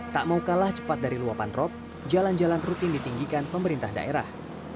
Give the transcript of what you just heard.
tak mau kalah cepat dari luapan rop jalan jalan rutin ditinggikan pemerintah daerah